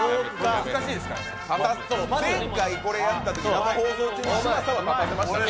前回これやったとき生放送中に嶋佐は立たせましたから。